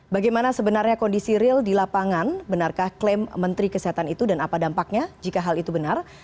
bagaimana sebenarnya kondisi real di lapangan benarkah klaim menteri kesehatan itu dan apa dampaknya jika hal itu benar